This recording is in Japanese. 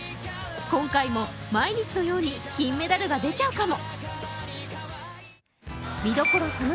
今回も毎日のように金メダルが出ちゃうかも！